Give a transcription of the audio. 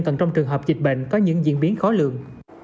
còn trong trường hợp dịch bệnh có những diễn biến khó lượng